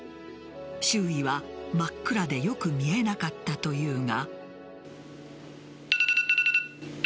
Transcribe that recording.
周囲は真っ暗でよく見えなかったというが。